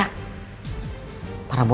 peter pun ke atas lo